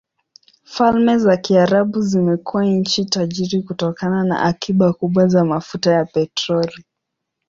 Falme za Kiarabu zimekuwa nchi tajiri kutokana na akiba kubwa za mafuta ya petroli.